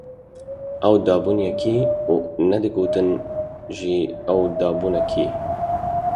Ew dabûne yekî û nedigotin jî ew dabûne kê.